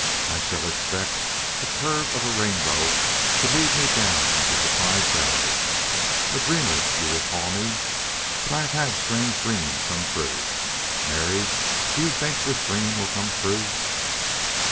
I shall expect the curve of a rainbow to lead me down into Surprise Valley. A dreamer, you will call me. But I have had strange dreams come true.... Mary, do you think THIS dream will come true?"